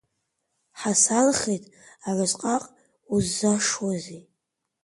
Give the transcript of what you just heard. Ҳасанхеит арысҟак уззашшуазеи.